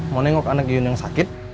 mau nengok anak iyun yang sakit